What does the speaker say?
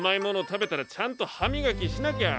たべたらちゃんとはみがきしなきゃ。